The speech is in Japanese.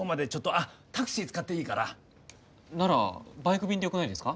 あっタクシー使っていいから。ならバイク便でよくないですか？